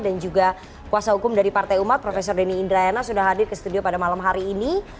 dan juga kuasa hukum dari partai umat profesor denny indrayana sudah hadir ke studio pada malam hari ini